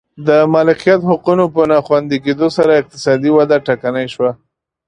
د مالکیت حقونو په ناخوندي کېدو سره اقتصادي وده ټکنۍ شوه.